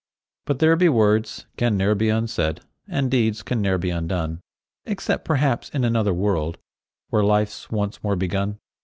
But there be words can ne'er be unsaid, And deeds can ne'er be undone, Except perhaps in another world, Where life's once more begun.